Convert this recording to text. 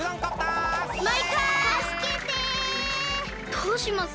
どうします？